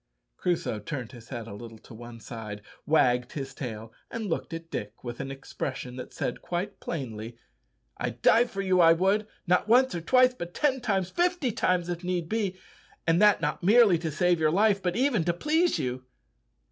Crusoe turned his head a little to one side, wagged his tail, and looked at Dick with an expression that said quite plainly, "I'd die for you, I would not once, or twice, but ten times, fifty times if need be and that not merely to save your life, but even to please you."